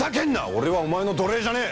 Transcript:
俺はお前の奴隷じゃねえ！